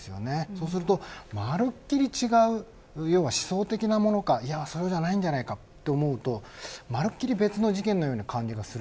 そうするとまるっきり違うような思想的なものなのかそうじゃないんじゃないかと思うとまるっきり別の事件に感じます。